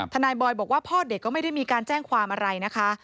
บอยบอกว่าพ่อเด็กก็ไม่ได้มีการแจ้งความอะไรนะคะ